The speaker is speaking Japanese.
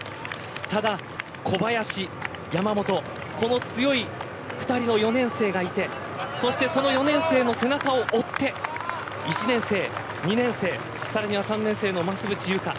ただ、小林山本この強い２人の４年生がいてそして、その４年生の背中を追って１年生、２年生さらに３年生の増渕祐香